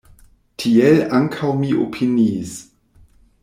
Tiel ankaŭ mi opiniis.